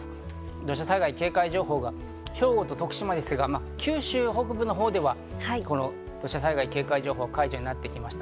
土砂災害警戒情報が兵庫と徳島ですが、九州北部のほうでは土砂災害警戒情報が解除になってきました。